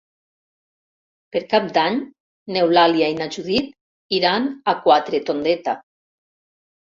Per Cap d'Any n'Eulàlia i na Judit iran a Quatretondeta.